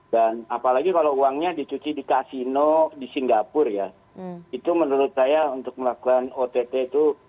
dan apalagi kalau uangnya dicuci di kasino di singapura ya itu menurut saya untuk melakukan ott itu